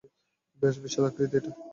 বেশ বিশালাকৃতির এটা!